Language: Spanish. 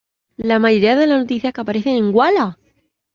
La mayoría de las noticias que aparecen en Walla!